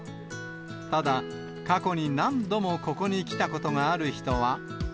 ただ、過去に何度もここに来たことがある人は。